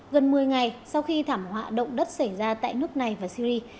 gần một mươi ngày sau khi thảm họa động đất xảy ra tại nước này và syri